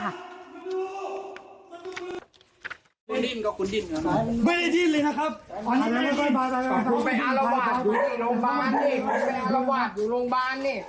จุดคนเนี่ยอยู่โรงพยาบาลเนี่ยอนอราวัตอยู่โรงศาติเนี่ย